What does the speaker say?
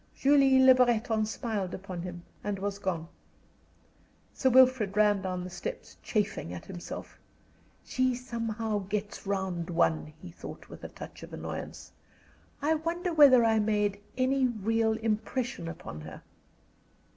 Julie Le Breton smiled upon him and was gone. Sir Wilfrid ran down the steps, chafing at himself. "She somehow gets round one," he thought, with a touch of annoyance. "I wonder whether I made any real impression upon her.